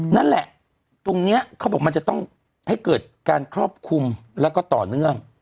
นั่นแหละตรงนี้เขาบอกมันจะต้องให้เกิดการครอบคลุมแล้วก็ต่อเนื่อง